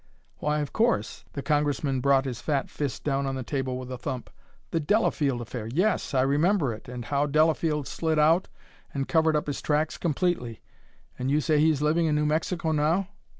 "Why, of course!" The Congressman brought his fat fist down on the table with a thump. "The Delafield affair! Yes; I remember it, and how Delafield slid out and covered up his tracks completely. And you say he's living in New Mexico now?"